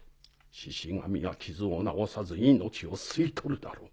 シシ神は傷を治さず命を吸い取るだろう。